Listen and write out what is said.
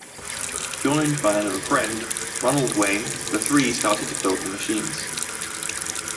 Joined by another friend, Ronald Wayne, the three started to build the machines.